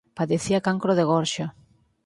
Padecía cancro de gorxa.